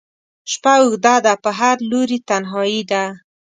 شپه اوږده ده په هر لوري تنهایي ده